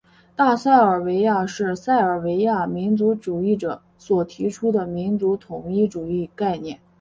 大塞尔维亚是塞尔维亚民族主义者所提出的民族统一主义概念。